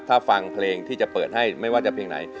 ถ้าฟังเพลงที่จะเปิดให้ไม่ว่าจะเพลงไหน